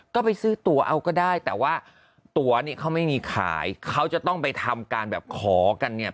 ก็ไปซื้อตัวเอาก็ได้แต่ว่าตัวเนี่ยเขาไม่มีขายเขาจะต้องไปทำการแบบขอกันเนี่ย